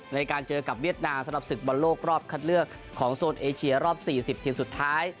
ในการเจอกับเวียดนามสำหรับศึกบอลโลกรอบคัดเลือกของโซนเอเชียรอบ๔๐ทีมสุดท้าย